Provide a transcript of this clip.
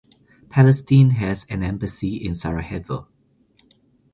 Palestine has an embassy in Sarajevo.